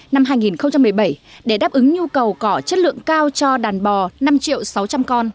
năm hai nghìn một mươi bảy để đáp ứng nhu cầu cỏ chất lượng cao cho đàn bò năm triệu sáu trăm linh con